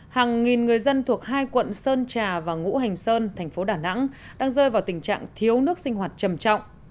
hàng nghìn người dân thuộc hai quận sơn trà và ngũ hành sơn thành phố đà nẵng đang rơi vào tình trạng thiếu nước sinh hoạt trầm trọng